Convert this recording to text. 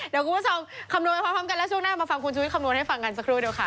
เดี๋ยวคุณผู้ชมคำนวณไปพร้อมกันแล้วช่วงหน้ามาฟังคุณชุวิตคำนวณให้ฟังกันสักครู่เดียวค่ะ